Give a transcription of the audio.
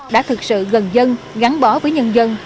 đã thực sự gần dân gắn bó với nhân dân